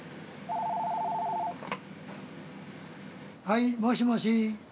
☎はいもしもし？